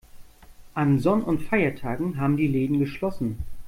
An Sonn- und Feiertagen haben die Läden geschlossen.